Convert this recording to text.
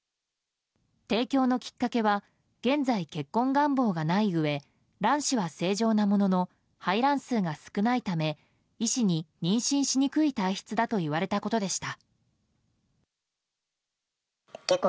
提供のきっかけは現在、結婚願望がないうえ卵子は正常なものの排卵数が少ないため医師に妊娠しにくい体質だといわれたことでした。